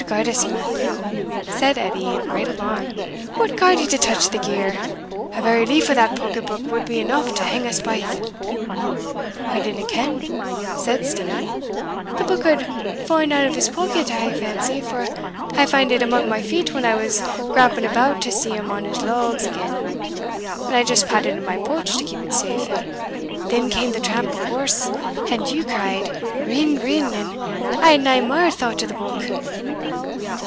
"Od guide us, man," said Edie in great alarm, "what garr'd ye touch the gear? a very leaf o' that pocket book wad be eneugh to hang us baith." "I dinna ken," said Steenie; "the book had fa'en out o' his pocket, I fancy, for I fand it amang my feet when I was graping about to set him on his logs again, and I just pat it in my pouch to keep it safe; and then came the tramp of horse, and you cried, Rin, rin,' and I had nae mair thought o' the book."